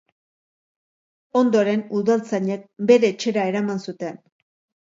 Ondoren, udaltzainek bere etxera eraman zuten.